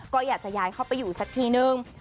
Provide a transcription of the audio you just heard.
ก็อยากจะย้ายเข้าไปอยู่สักทีนึง